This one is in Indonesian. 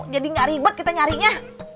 jadi gak ribet kita nyarinya